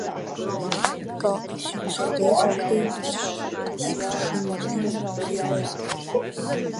Kā es jums jau teicu, aktīvi, kas ir šim uzņēmumam, netiek aizskarti.